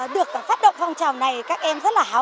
được phát động phong trào này các em rất là háo